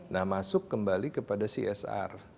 nah masuk kembali kepada csr